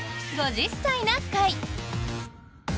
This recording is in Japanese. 「５０歳な会」。